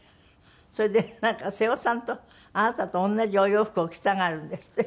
それでなんか瀬尾さんとあなたと同じお洋服を着たがるんですって？